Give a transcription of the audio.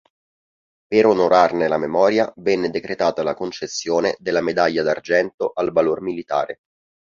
Per onorarne la memoria venne decretata la concessione della Medaglia d'argento al valor militare.